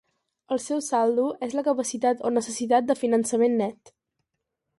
El seu saldo és la capacitat o necessitat de finançament net.